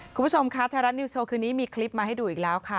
คุณผู้ชมคะไทยรัฐนิวสโชว์คืนนี้มีคลิปมาให้ดูอีกแล้วค่ะ